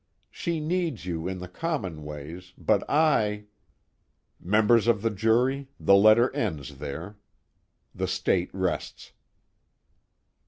She needs you in the common ways, but I " Members of the jury, the letter ends there. The State rests.